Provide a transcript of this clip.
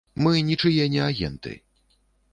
Мы нічые не агенты.